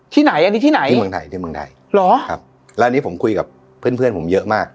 ที่ไหนอันนี้ที่ไหนที่เมืองไทยที่เมืองไทยเหรอครับแล้วอันนี้ผมคุยกับเพื่อนเพื่อนผมเยอะมาก